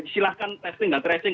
silahkan testing dan tracing